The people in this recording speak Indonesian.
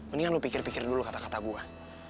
mendingan lo pikir pikir dulu kata kata gue